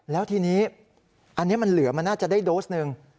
แล้วทีนี้อันนี้มันเหลือมันน่าจะได้โดสหนึ่ง